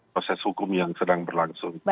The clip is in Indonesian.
proses hukum yang sedang berlangsung